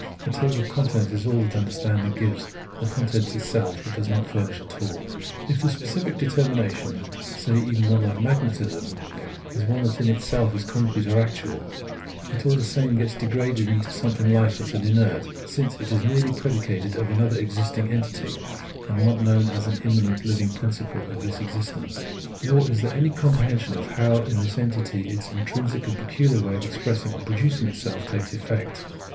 A table of contents is all that understanding gives, the content itself it does not furnish at all. If the specific determination (say even one like magnetism) is one that in itself is concrete or actual, it all the same gets degraded into something hfeless and inert, since it is merely predicated of another existing entity, and not known as an immanent living principle of this existence ; nor is there any comprehension of how in this entity its intrinsic and pecuHar way of expressing and producing itself takes effect.